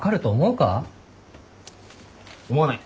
思わない！